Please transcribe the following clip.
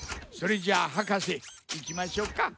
それじゃあはかせいきましょうか。